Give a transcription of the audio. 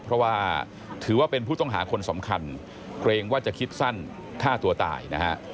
เพราะว่าถือว่าเป็นผู้ต้องหาคนสำคัญเกรงว่าจะคิดสั้นฆ่าตัวตายนะฮะ